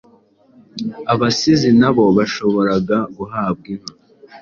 Abasizi nabo bashoboboraga guhabwa inka